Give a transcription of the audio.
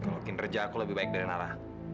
mungkin kerja aku lebih baik dari nara